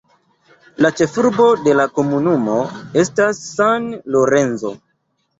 La ĉefurbo de la komunumo estas San Lorenzo.